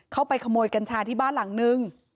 เข้าไปขโมยกัญชาที่บ้านหลังนึง